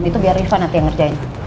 itu biar riva nanti yang ngerjain